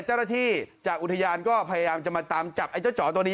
เจ้าหน้าที่จากอุทยานก็พยายามจะมาตามจับไอ้เจ้าจ๋อตัวนี้